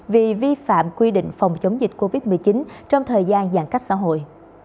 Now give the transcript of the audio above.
vì vi phạm quy định phòng chống dịch covid một mươi chín trong thời gian giãn cách xã hội